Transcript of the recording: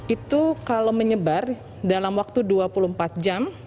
itu kalau menyebar dalam waktu dua puluh empat jam